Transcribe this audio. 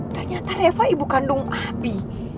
ternyata reva ibu kandung api